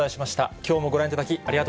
きょうもご覧いただき、ありがと